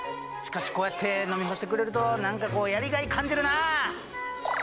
しかしこうやって飲み干してくれると何かこうやりがい感じるな。